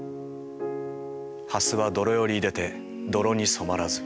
「蓮は泥より出でて泥に染まらず」。